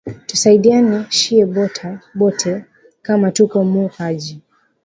Tusaidiane shiye bote kama tuko mu kaji